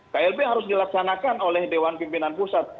klb harus dilaksanakan oleh dewan pimpinan pusat